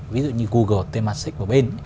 ví dụ như google temasek và bên